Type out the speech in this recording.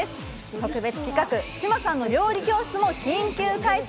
特別企画、志麻さんの料理教室も緊急開催。